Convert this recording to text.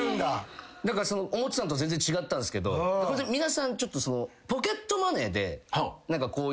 思ってたのと全然違ったんすけど皆さん。